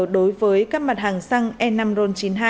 đối với các mặt hàng xăng e năm ron chín mươi hai